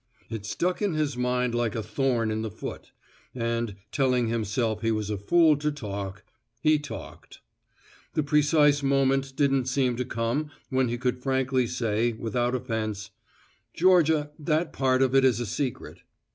It stuck in his mind like a thorn in the foot; and, telling himself he was a fool to talk, he talked. The precise moment didn't seem to come when he could frankly say, without offense, "Georgia, that part of it is a secret."